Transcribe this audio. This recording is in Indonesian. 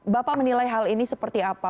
bapak menilai hal ini seperti apa